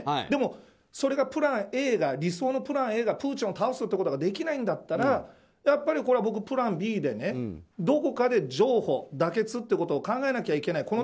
でも、それが理想のプランＡがプーチンを倒すことができないんだったらやっぱり僕はプランＢでねどこかで譲歩妥結っていうことを考えなきゃいけない。